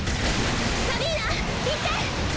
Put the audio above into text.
サビーナ行って！